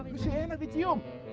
lu si enak dicium